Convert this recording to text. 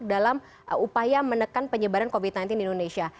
dalam upaya menekan penyebaran covid sembilan belas di indonesia